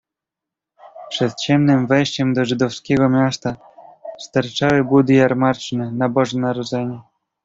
"Przed ciemnem wejściem do żydowskiego miasta sterczały budy jarmarczne na Boże Narodzenie."